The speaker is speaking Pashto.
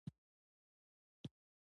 چې زه ښه یم، هر څه سم دي